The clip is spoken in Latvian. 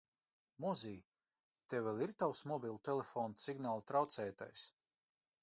Mozij, tev vēl ir tavs mobilo telefonu signāla traucētājs?